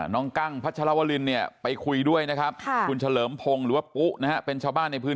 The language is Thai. กั้งพัชรวรินเนี่ยไปคุยด้วยนะครับคุณเฉลิมพงศ์หรือว่าปุ๊นะฮะเป็นชาวบ้านในพื้น